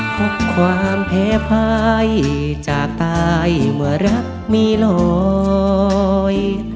พบความแพ้ภายจากตายเมื่อรักมีลอย